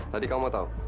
tadi kamu mau tau